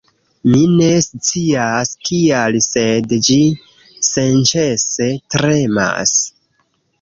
Mi ne scias kial sed ĝi senĉese tremas